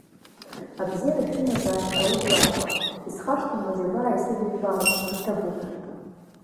Абзиара шәымазааит, аублаақәа, исхашҭуам аџьабаа исыдыжәбалаз, иҭабуп!